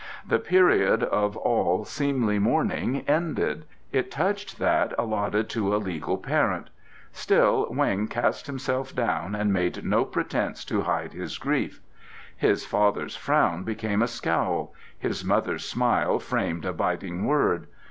The period of all seemly mourning ended it touched that allotted to a legal parent; still Weng cast himself down and made no pretence to hide his grief. His father's frown became a scowl, his mother's smile framed a biting word.